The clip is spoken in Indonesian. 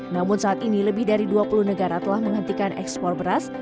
namun saat ini lebih dari dua puluh negara telah menghentikan ekspor beras